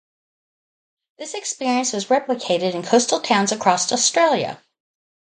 This experience was replicated in coastal towns across Australia.